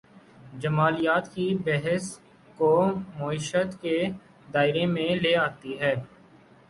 جمالیات کی بحث کو معیشت کے دائرے میں لے آتی ہے۔